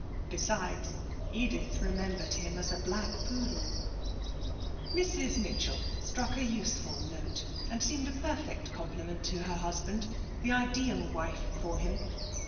Besides, Edith remembered him as a black poodle. Mrs. Mitchell struck a useful note, and seemed a perfect complement to her husband, the ideal wife for him.